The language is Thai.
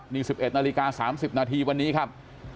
นี่๑๑นาฬิกา๓๐นาทีวันนี้ครับ